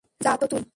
যা তো তুই।